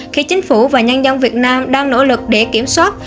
khi chính phủ và nhân dân việt nam đang nỗ lực để kiểm soát